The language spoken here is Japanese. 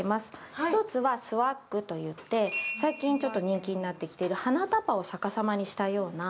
１つはスワッグといって最近人気になってきている花束を逆さにしたような。